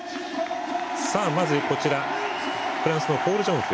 まずフランスのポール・ジョンフ。